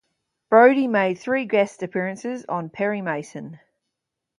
Brodie made three guest appearances on "Perry Mason".